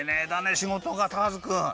しごとがターズくん！